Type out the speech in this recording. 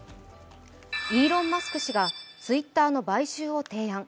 イーロン・マスク氏がツイッターの買収を提案。